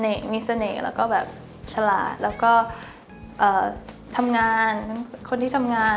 สนักมีสนักแล้วก็แบบฉลาดแล้วก็เอ่อทำงานคนที่ทำงาน